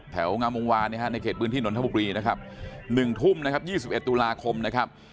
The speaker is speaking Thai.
แถวงามวานไหนถึงวิทยุนธปรีนะครับ๑๑๐๐น๒๑ตุลาคมนะครับ